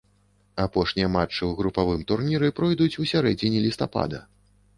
Апошнія матчы ў групавым турніры пройдуць у сярэдзіне лістапада.